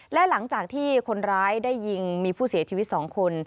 และหลังจากที่คนร้ายได้ยิงมีผู้เสียชีวิต๒คน